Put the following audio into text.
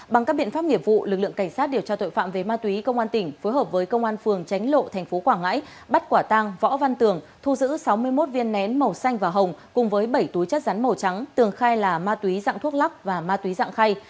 bằng các biện pháp nghiệp vụ lực lượng cảnh sát điều tra tội phạm về ma túy công an tỉnh phối hợp với công an phường tránh lộ tp quảng ngãi bắt quả tăng võ văn tường thu giữ sáu mươi một viên nén màu xanh và hồng cùng với bảy túi chất rắn màu trắng tường khai là ma túy dạng thuốc lắc và ma túy dạng khay